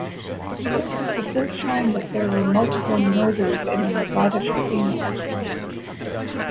This was the first time that there were multiple murders in a Nevada casino.